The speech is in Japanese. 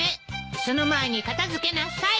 その前に片付けなさい。